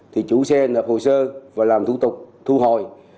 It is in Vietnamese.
thì chủ xe nợ hồ sơ và làm thủ tục thu hồi